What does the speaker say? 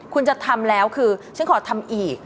คุณจะทำแล้วคือฉันขอทำอีก